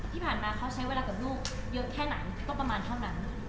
ที่ผ่านมาเขาใช้เวลากับลูกเยอะแค่ไหนก็ประมาณเท่านั้น